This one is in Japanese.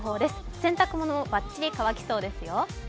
洗濯物もばっちり乾きそうですよ。